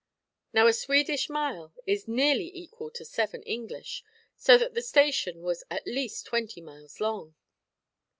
Now a Swedish mile is nearly equal to seven English, so that the station was at least twenty miles long.